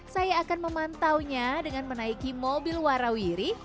saya akan memantaunya dengan menaiki mobil warawiri